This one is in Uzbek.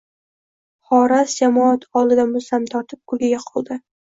Xoras jamoat oldida mulzam tortib, kulgiga qoldi